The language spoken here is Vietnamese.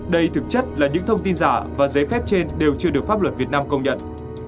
đây thực chất là những thông tin giả và giấy phép trên đều chưa được pháp luật việt nam công nhận